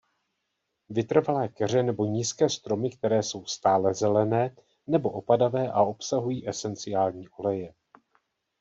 Vytrvalé keře nebo nízké stromy které jsou stálezelené nebo opadavé a obsahují esenciální oleje.